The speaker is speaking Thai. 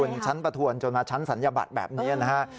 เป็นชั้นประทวนจนมาชั้นศัลยบัตรแบบนี้นะฮะ